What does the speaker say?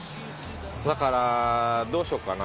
だからどうしようかな？